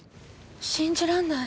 信じらんない。